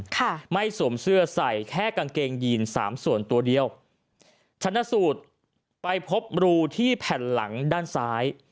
ค่ะไม่สวมเสื้อใส่แค่กางเกงยีนสามส่วนตัวเดียวชนะสูตรไปพบรูที่แผ่นหลังด้านซ้าย